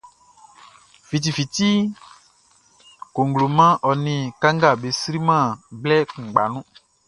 Fiti fiti cogloman ɔ ni kanga be sri man blɛ kuʼngba nu.